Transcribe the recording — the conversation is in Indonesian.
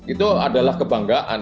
itu adalah kebanggaan